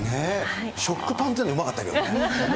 ショックパンっていうのうまかったけどね。